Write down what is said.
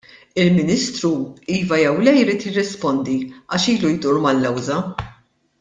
Il-Ministru iva jew le jrid jirrispondi għax ilu jdur mal-lewża!